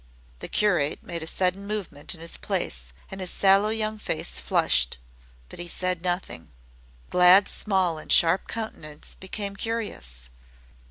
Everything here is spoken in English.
'" The curate made a sudden movement in his place and his sallow young face flushed. But he said nothing. Glad's small and sharp countenance became curious.